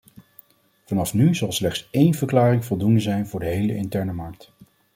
Vanaf nu zal slechts één verklaring voldoende zijn voor de hele interne markt.